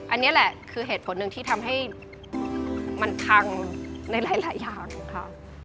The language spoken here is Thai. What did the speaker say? อันนี้แหละคือเหตุผลหนึ่งที่ทำให้มันพังในหลายอย่างค่ะ